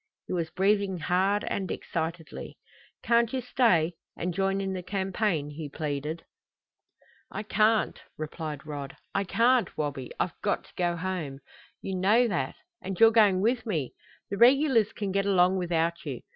He was breathing hard and excitedly. "Can't you stay and join in the campaign?" he pleaded. "I can't," replied Rod. "I can't, Wabi; I've got to go home. You know that. And you're going with me. The regulars can get along without you.